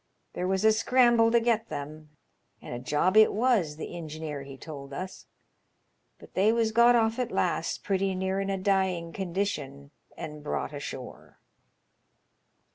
There was a scramble to get them ; and a job it was, the ingeneer he told us. But they was got off at last, pretty near in a dying condition, and brought ashore."